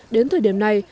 đến thời điểm này